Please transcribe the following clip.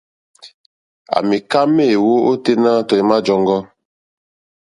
À mìká méèwó óténá tɔ̀ímá !jɔ́ŋɡɔ́.